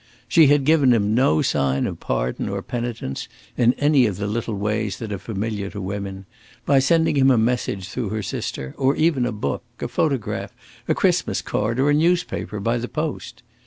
She had given him no sign of pardon or penitence in any of the little ways that are familiar to women by sending him a message through her sister, or even a book, a photograph, a Christmas card, or a newspaper, by the post.